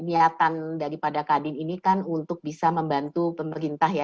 niatan daripada kadin ini kan untuk bisa membantu pemerintah ya